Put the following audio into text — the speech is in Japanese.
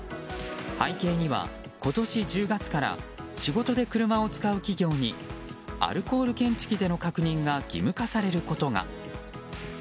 背景には今年１０月から仕事で車を使う企業にアルコール検知器での確認が義務化されることが。